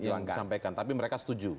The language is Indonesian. yang disampaikan tapi mereka setuju